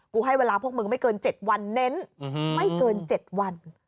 ให้เวลาพวกมึงไม่เกิน๗วันเน้นไม่เกิน๗วัน